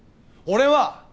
俺は！